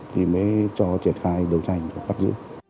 thì mới cho triển khai đấu tranh và bắt giữ